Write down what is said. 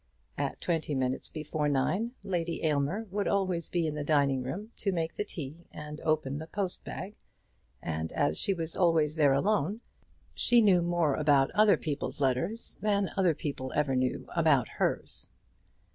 At twenty minutes before nine Lady Aylmer would always be in the dining room to make the tea and open the post bag, and as she was always there alone, she knew more about other people's letters than other people ever knew about hers.